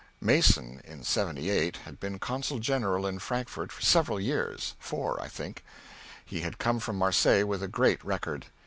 Mason, in '78, had been consul general in Frankfort several years four, I think. He had come from Marseilles with a great record.